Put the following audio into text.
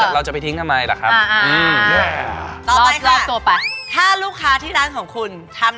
เราจะไปทิ้งทำไมล่ะครับ